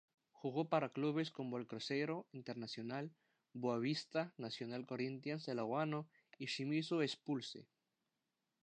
Jugó para clubes como el Cruzeiro, Internacional, Boavista, Nacional, Corinthians Alagoano y Shimizu S-Pulse.